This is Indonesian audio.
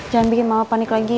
jangan bikin mama panik lagi ya